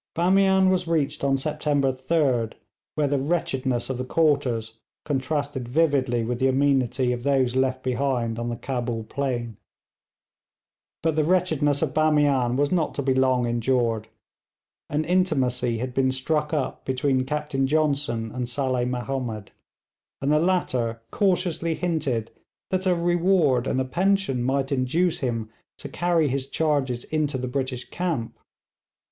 Bamian was reached on September 3d, where the wretchedness of the quarters contrasted vividly with the amenity of those left behind on the Cabul plain. But the wretchedness of Bamian was not to be long endured. An intimacy had been struck up between Captain Johnson and Saleh Mahomed, and the latter cautiously hinted that a reward and a pension might induce him to carry his charges into the British camp.